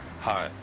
はい。